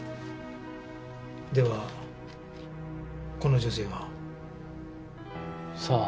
ではこの女性は？さあ？